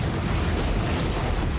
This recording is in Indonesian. kita harus ke rumah